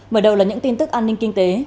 mở đầu là những tin tức an ninh kinh tế